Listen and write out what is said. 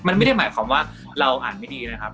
มันไม่ได้หมายความว่าเราอ่านไม่ดีนะครับ